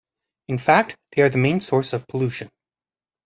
In fact, they are the main source of pollution.